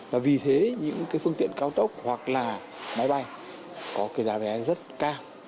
và vì thế những cái phương tiện cao tốc hoặc là máy bay có cái giá vé rất cao